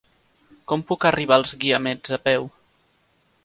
Com puc arribar als Guiamets a peu?